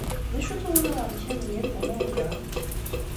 D acu-t wunuɣ-nnek amenyaf n umanga?